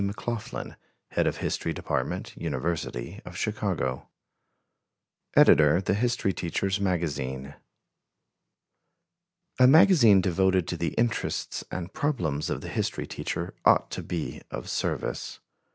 McLAUGHLIN, HEAD OF HISTORY DEPARTMENT, UNIVERSITY OF CHICAGO Editor THE HISTORY TEACHER'S MAGAZINE: A magazine devoted to the interests and the problems of the history teacher ought to be of service.